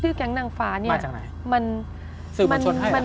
ชื่อกแก๊งหนังฟ้านี่มาจากไหน